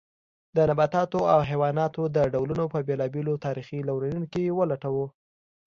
د نباتاتو او حیواناتو د ډولونو په بېلابېلو تاریخي لورینو کې ولټوو.